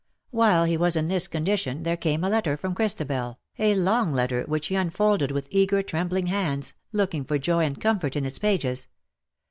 While he was in this condition there came a letter from Christabel, a long letter which he un folded with eager trembling hands, looking for joy and comfort in its pages.